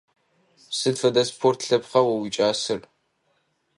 Сыд фэдэ спорт лъэпкъа о уикӀасэр?